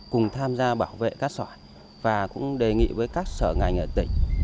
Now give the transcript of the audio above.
cùng tham gia bảo vệ cát sỏi và cũng đề nghị với các sở ngành ở tỉnh